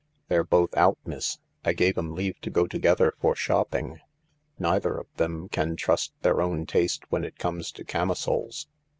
"" They're both out, miss. I gave 'em leave to go together for shopping. Neither of them can trust their own taste when it comes to camisoles.